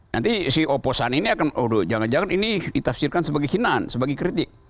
nanti si oposan ini akan aduh jangan jangan ini ditafsirkan sebagai hinaan sebagai kritik